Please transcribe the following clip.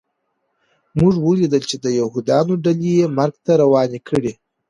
موږ ولیدل چې د یهودانو ډلې یې مرګ ته روانې کړې